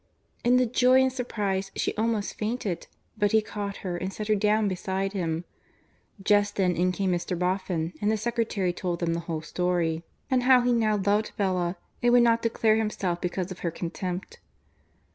In the joy and surprise she almost fainted, but he caught her and set her down beside him. Just then in came Mr. Boffin, and the secretary told them the whole story, and how he now loved Bella, but would not declare himself because of her contempt.